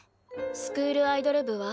スクールアイドル部は？